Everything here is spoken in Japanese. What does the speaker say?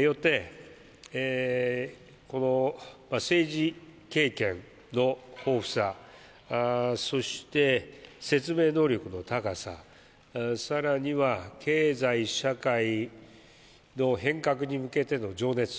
よってこの政治経験の豊富さそして説明能力の高ささらには経済社会の変革に向けての情熱